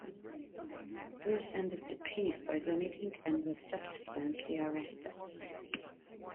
Brus ended the piece by vomiting and was subsequently arrested.